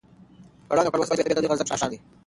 کړنګ او کړوس د طبیعت د لوی غضب یو نښان دی.